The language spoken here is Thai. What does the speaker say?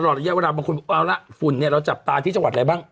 ตลอดอีกเวลาเอาล่ะฝุ่นเนี่ยเราจับตาที่จังหวัดอะไรบ้าง